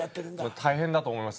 大変だと思います。